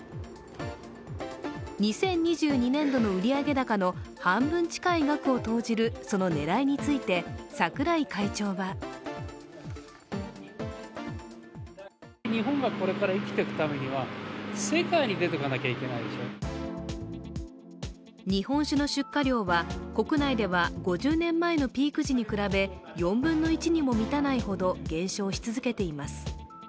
２０２２年度の売上高の半分近い額を投じるその狙いについて桜井会長は日本酒の出荷量は国内では５０年前のピーク時に比べ４分の１にも満たないほど減少し続けています。